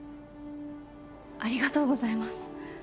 ありがとうございます。